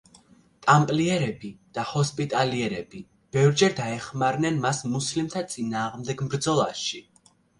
ტამპლიერები და ჰოსპიტალიერები ბევრჯერ დაეხმარნენ მას მუსლიმთა წინააღმდეგ ბრძოლაში.